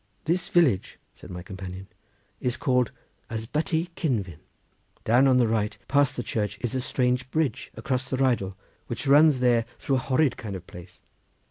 "This village," said my companion, "is called Ysbytty Cynfyn. Down on the right, past the church, is a strange bridge across the Rheidol, which runs there through a horrid kind of a place.